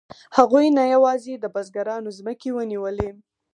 هغوی نه یوازې د بزګرانو ځمکې ونیولې